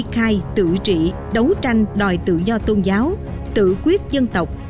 khai tự trị đấu tranh đòi tự do tôn giáo tự quyết dân tộc